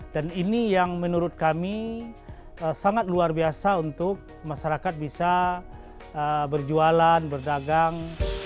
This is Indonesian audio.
dan ini yang menurut kami sangat luar biasa untuk masyarakat bisa berjualan berdagang